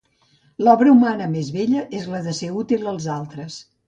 L'obra humana més bella és la de ser útil als altres.